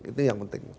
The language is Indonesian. itu yang penting